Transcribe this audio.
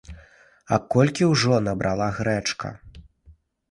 А колькі ўжо набрала грэчка!